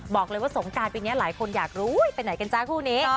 บอกเลยว่าสงการปีนี้หลายคนอยากรู้ไปไหนกันจ๊ะคู่นี้